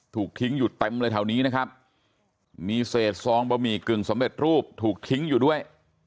ถูกทิ้งอยู่เต็มเลยแถวนี้นะครับมีเศษซองบะหมี่กึ่งสำเร็จรูปถูกทิ้งอยู่ด้วย